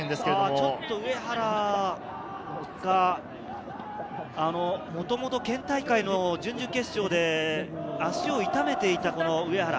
ちょっと上原が、もともと県大会の準々決勝で足を痛めていた上原。